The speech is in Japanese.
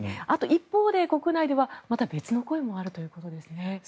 一方で国内ではまた別の声もあるということですね。